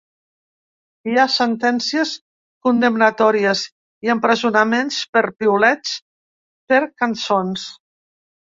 Hi ha sentències condemnatòries i empresonaments per piulets, per cançons.